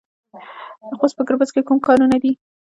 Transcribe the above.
د خوست په ګربز کې کوم کانونه دي؟